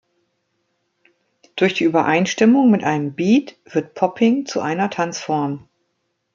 Durch die Übereinstimmung mit einem Beat wird Popping zu einer Tanzform.